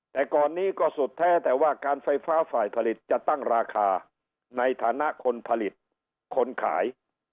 แต่ก่อนนี้ก็สุดแท้แต่ว่าการไฟฟ้าฝ่ายผลิตจะตั้งราคาในฐานะคนผลิตคนขาย